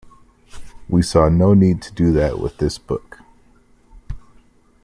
We saw no need to do that with this book.